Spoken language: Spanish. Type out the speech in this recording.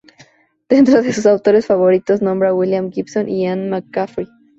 Dentro de sus autores favoritos nombra a William Gibson y Anne McCaffrey.